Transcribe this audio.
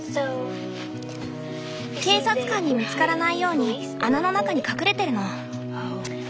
警察官に見つからないように穴の中に隠れてるの。